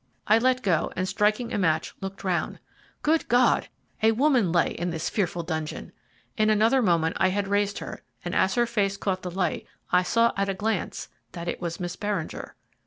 I let go and, striking a match, looked round. Good God! a woman lay in this fearful dungeon! In another moment I had raised her, and as her face caught the light I saw at a glance that it was Miss Beringer.